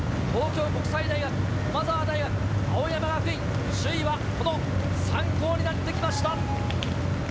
東京国際大学駒澤大学青山学院首位はこの３校になって来ました！